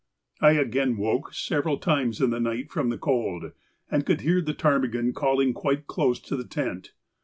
_—I again woke several times in the night from the cold, and could hear the ptarmigan calling quite close to the tent.